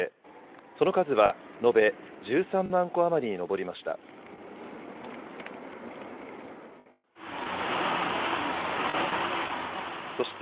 その数は、延べ１３万戸余りに上りました。